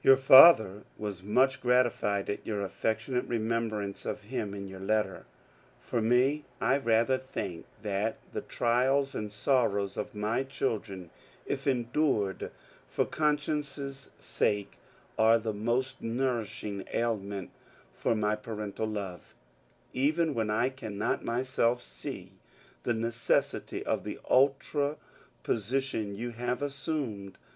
Your father was much g^tified at your affectionate remem brance of him in your letter. For me, I rather think that the trials and sorrows of my children, if endured for conscience' sake, are the most nourishing aliment for my parental love, even when I cannot myself see the necessity of the ultra po sition you have assumed.